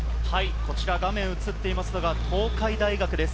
画面映っていますのが東海大学です。